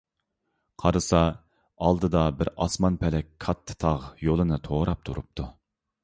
قارىسا، ئالدىدا بىر ئاسمان - پەلەك كاتتا تاغ يولىنى توراپ تۇرۇپتۇ.